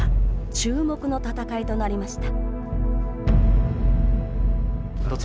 注目の戦いとなりました。